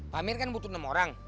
pamer kan butuh enam orang